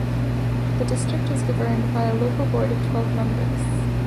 The district was governed by a local board of twelve members.